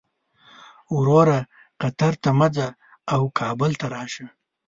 وروره قطر ته مه ځه او کابل ته راشه.